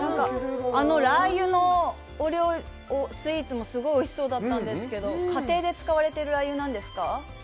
あのラー油のスイーツもすごいおいしそうだったんですけど、家庭で使われているラー油なんですか？